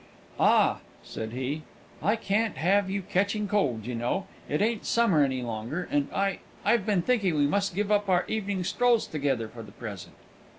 "Ah!" said he, "I can't have you ketching cold, you know; it ain't summer any longer, and I I've been thinking we must give up our evening strolls together for the present."